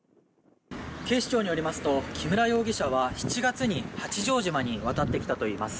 警視庁によりますと木村容疑者は７月に八丈島に渡ってきたといいます。